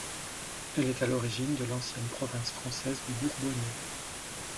Elle est à l'origine de l'ancienne province française du Bourbonnais.